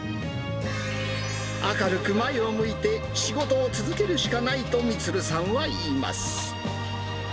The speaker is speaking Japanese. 明るく前を向いて仕事を続けるしかないと充さんはいいます。